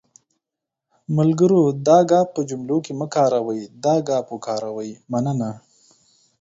ملګرو دا گ په جملو کې مه کاروٸ، دا ګ وکاروٸ.مننه